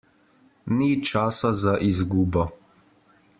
Ni časa za izgubo.